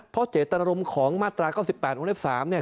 เพราะเจตนรมของมาตรา๙๘๙๓เนี่ย